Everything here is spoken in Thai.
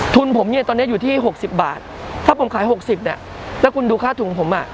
ทุนผมเนี่ยตอนนี้อยู่ที่๖๐บาทถ้าผมขาย๖๐เนี่ยแล้วคุณดูค่าถุงผมอ่ะ